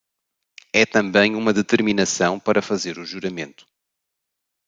É também uma determinação para fazer o juramento